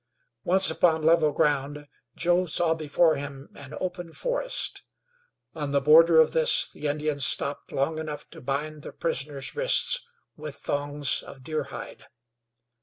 Once upon level ground Joe saw before him an open forest. On the border of this the Indians stopped long enough to bind the prisoners' wrists with thongs of deerhide.